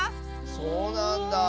そうなんだあ。